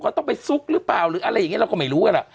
เขาต้องไปซุกหรือเปล่าหรืออะไรอย่างนี้เราก็ไม่รู้กันล่ะ